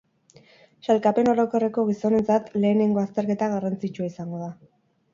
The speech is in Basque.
Sailkapen orokorreko gizonentzat lehenengo azterketa garrantzitsua izango da.